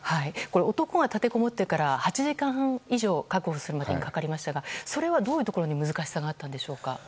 男が立てこもってから８時間半以上確保するまでにかかりましたがそれはどういうところに難しさがあったんでしょうか。